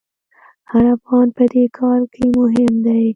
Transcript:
هر افغان په دې کار کې مهم دی.